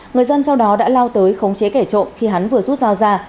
người dân sau đó đã lao tới khống chế kẻ trộm khi hắn vừa rút dao ra